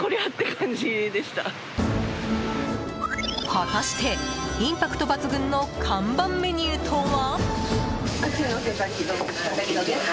果たして、インパクト抜群の看板メニューとは。